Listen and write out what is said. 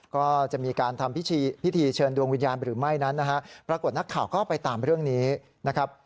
ก็จะมีการทำพิธีพิธีเชิญดวงวิญญาณหรือไม่นั้นนะฮะปรากฏนักข่าวก็ไปตามเรื่องนี้นะครับ